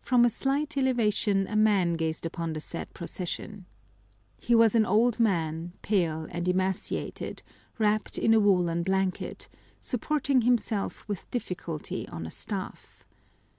From a slight elevation a man gazed upon the sad procession. He was an old man, pale and emaciated, wrapped in a woolen blanket, supporting himself with difficulty on a staff.